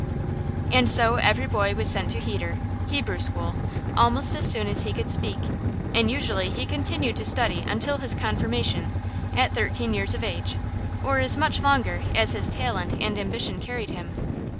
And so every boy was sent to heder (Hebrew school) almost as soon as he could speak; and usually he continued to study until his confirmation, at thirteen years of age, or as much longer as his talent and ambition carried him.